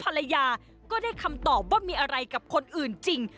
ภรรยาก็ได้คำตอบว่ามีอะไรกับคนอื่นจริง